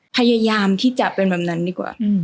พยายามที่จะเป็นแบบนั้นดีกว่า